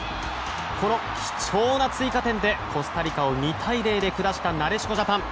この貴重な追加点でコスタリカを２対０で下したなでしこジャパン。